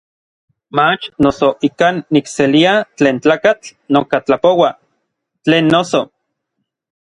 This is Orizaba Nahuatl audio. Mach noso ikan nikselia tlen tlakatl noka tlapoua; tlen noso.